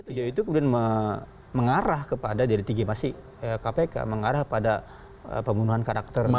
video itu kemudian mengarah kepada dari tinggi masih kpk mengarah pada pembunuhan karakter